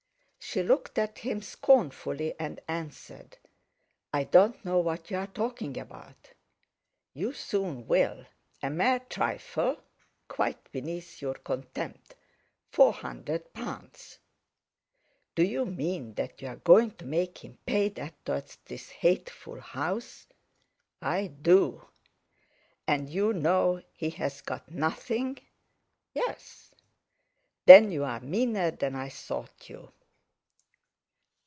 She looked at him scornfully, and answered: "I don't know what you are talking about!" "You soon will. A mere trifle, quite beneath your contempt—four hundred pounds." "Do you mean that you are going to make him pay that towards this hateful, house?" "I do." "And you know he's got nothing?" "Yes." "Then you are meaner than I thought you."